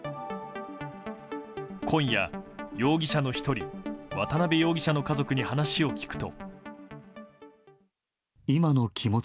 今夜、容疑者の１人渡邉容疑者の家族に話を聞くと。